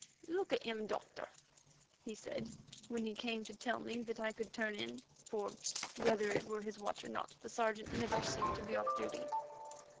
"Look at him, Doctor," he said when he came to tell me that I could turn in, for whether it were his watch or not, the Sergeant never seemed to be off duty.